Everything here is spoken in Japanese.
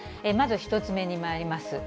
まず１つ目にまいります。